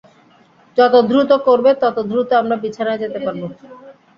যত দ্রুত করবে, তত দ্রুত আমরা বিছানায় যেতে পারব।